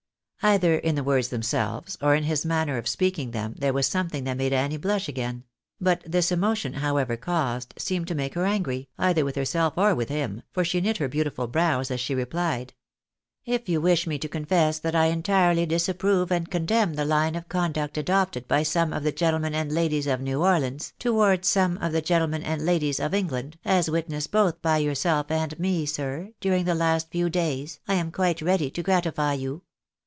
" Either in the words themselves, or in his manner of speaking them, there was something that made Annie blush again ; but this emotion, however caused, seemed to make her angry, either with herself or with him, for she knit her beautiful brows as she replied —" If you wish me to confess that I entirely disapprove and con demn the line of conduct adopted by some of the gentlemen and ladies of New Orleans, towards some of the gentlemen and ladies of England, as witnessed both by yourself and me, sir, durijag the last few days, I am quite ready to gratify you.